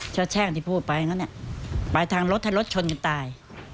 ถ้าแช่งที่พูดไปไปทางรถถ้ารถชนกันตาย